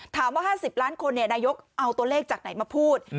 ถามว่า๕๐ล้านคนเนี่ยนายกเอาตัวเลขจากไหนมาพูด